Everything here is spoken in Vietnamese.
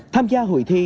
tham gia hội thi